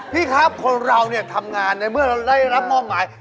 พี่ครับคนเราเนี่ยทำงานในเมื่อเราได้รับมอบหมาย